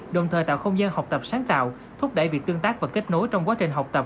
đồng thời tạo không gian học tập sáng tạo thúc đẩy việc tương tác và kết nối trong quá trình học tập